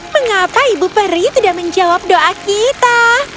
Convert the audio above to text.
mengapa ibu peri tidak menjawab doa kita